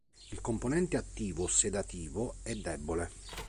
Il componente attivo sedativo è debole.